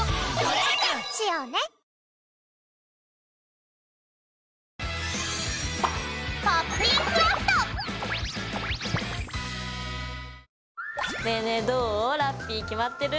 ラッピィ決まってる？